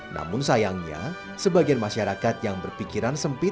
namun sayangnya sebagian masyarakat yang berpikiran sempit